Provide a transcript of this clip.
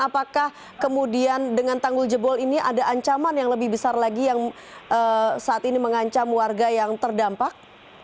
apakah kemudian dengan tanggul jebol ini ada ancaman yang lebih besar lagi yang saat ini mengancam warga yang terdampak